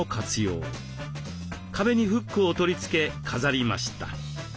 壁にフックを取りつけ飾りました。